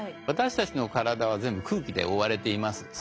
私たちの体は全部空気で覆われています。